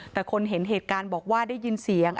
แต่คนเห็นเหตุการณ์บอกว่าได้ยินเสียง